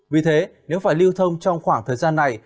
vì thế nếu phải lưu thông trong khoảng thời gian này